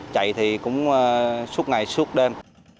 chạy thì cũng suốt ngày suốt đêm